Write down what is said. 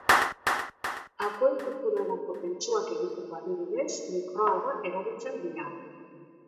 Akuikulturarako pentsuak egiteko, adibidez, mikroalgak erabiltzen dira.